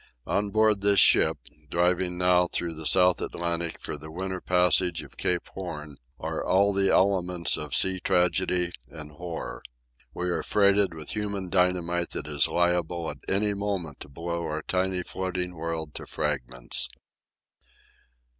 On board this ship, driving now through the South Atlantic for the winter passage of Cape Horn, are all the elements of sea tragedy and horror. We are freighted with human dynamite that is liable at any moment to blow our tiny floating world to fragments.